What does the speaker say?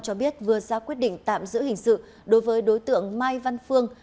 cho biết vừa ra quyết định tạm giữ hình sự đối với đối tượng mai văn phương